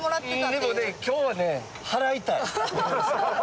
でもね今日はね払いたい。